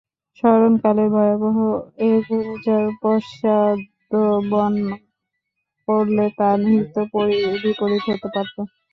স্মরণকালের ভয়াবহ এ ঘূর্ণিঝড়ে পশ্চাদ্ধাবন করলে তা হিতে বিপরীত হতে পারত।